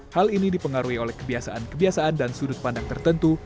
hal ini dipengaruhi oleh kebiasaan kebiasaan dan sudut pandang tertentu